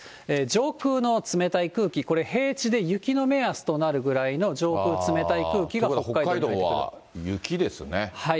上空の冷たい空気、これ、平地で雪の目安となるぐらいの上空、北海道は雪ですね。